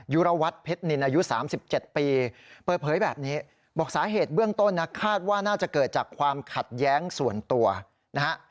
ยุรวัตรเพชรนินอายุ๓๗ปีเปิดเผยแบบนี้บอกสาเหตุเบื้องต้นนะคาดว่าน่าจะเกิดจากความขัดแย้งส่วนตัวนะฮะ